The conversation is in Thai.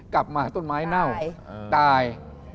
กลับมาต้นไม้เน่าตาย